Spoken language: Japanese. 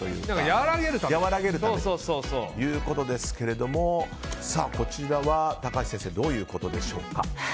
和らげるためということですけどこちらは高橋先生どういうことでしょうか？